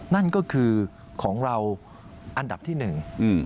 นั่นก็คือของเราอันดับที่หนึ่ง